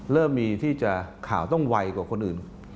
เริ่มมีที่จะข่าวต้องไวกว่าคนอื่น